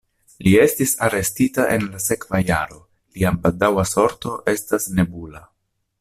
Li estis arestita en la sekva jaro, lia baldaŭa sorto estas nebula.